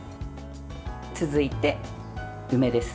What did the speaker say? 続いて、梅です。